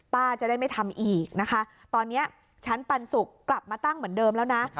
จะได้ไม่ทำอีกนะคะตอนนี้ชั้นปันสุกกลับมาตั้งเหมือนเดิมแล้วนะ